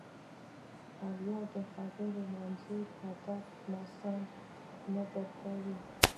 او یا د خبرو منظور او هدف ناسم نه درک کوئ